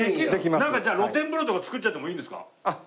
なんかじゃあ露天風呂とか造っちゃってもいいんですか？